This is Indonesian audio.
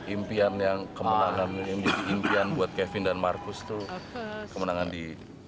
impian yang kemenangan ini jadi impian buat kevin dan markus tuh kemenangan di